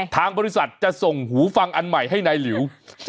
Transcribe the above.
ทางบริษัทจะส่งหูฟังอันใหม่ให้นายหลิว